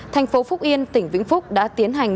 thành phố phúc yên tỉnh vĩnh phúc đã tiến hành